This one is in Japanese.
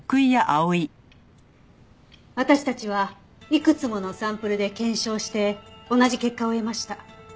私たちはいくつものサンプルで検証して同じ結果を得ました。